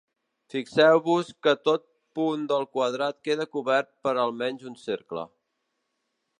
Fixeu-vos que tot punt del quadrat queda cobert per almenys un cercle.